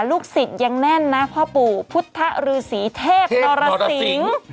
ลูกศิษย์ยังแน่นนะพ่อปู่พุทธฤษีเทพนรสิง